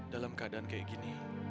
dalam keadaan kayak gini